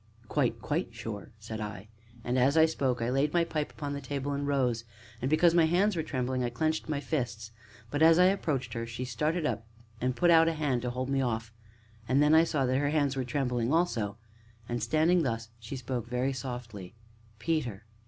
"Quite quite sure!" said I, and, as I spoke, I laid my pipe upon the table and rose; and, because my hands were trembling, I clenched my fists. But, as I approached her, she started up and put out a hand to hold me off, and then I saw that her hands were trembling also. And standing thus, she spoke, very softly: "Peter."